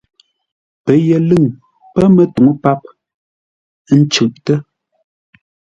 Pəyəlʉ̂ŋ pə̂ mətuŋú páp, ə́ ncʉʼtə́.